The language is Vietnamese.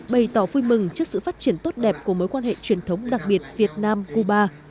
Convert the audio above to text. bày tỏ vui mừng trước sự phát triển tốt đẹp của mối quan hệ truyền thống đặc biệt việt nam cuba